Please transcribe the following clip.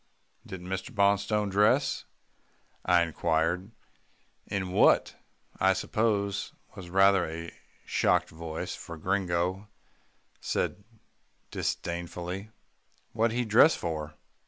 "Didn't Mr. Bonstone dress?" I inquired, in what, I suppose, was rather a shocked voice, for Gringo said disdainfully, "What'd he dress for?